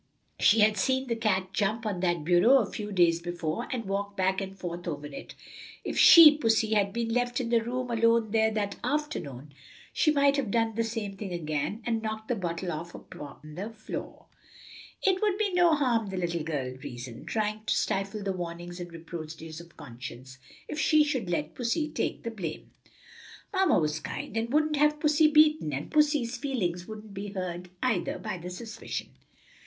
She had seen the cat jump on that bureau a few days before and walk back and forth over it. If she (pussy) had been left in the room alone there that afternoon she might have done the same thing again, and knocked the bottle off upon the floor. It would be no great harm, the little girl reasoned, trying to stifle the warnings and reproaches of conscience, if she should let pussy take the blame. Mamma was kind, and wouldn't have pussy beaten, and pussy's feelings wouldn't be hurt, either, by the suspicion.